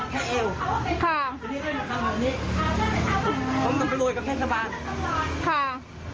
แล้วกำลังไปโรยกับแพทย์สาวาศักดิรักษ์